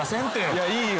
いやいいよ。